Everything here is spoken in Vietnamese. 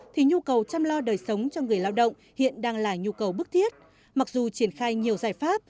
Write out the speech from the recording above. thì nhu cầu chăm lo đời sống cho người lao động hiện đang là nhu cầu bức thiết mặc dù triển khai nhiều giải pháp